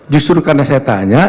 justru karena saya tanya